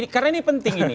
karena ini penting ini